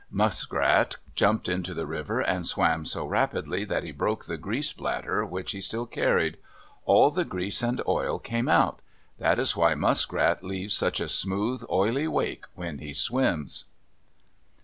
Muskrat jumped into the river and swam so rapidly that he broke the grease bladder which he still carried. All the grease and oil came out. That is why Muskrat leaves such a smooth, oily wake when he swims.